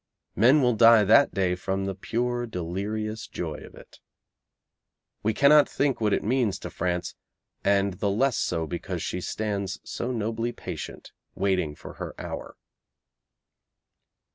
Men will die that day from the pure, delirious joy of it. We cannot think what it means to France, and the less so because she stands so nobly patient waiting for her hour.